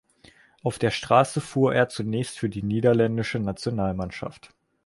Auf der Straße fuhr er zunächst für die niederländische Nationalmannschaft.